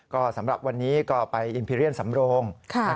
ก็สำหรับวันนี้ก็ไปอินพิเรียนสำโรง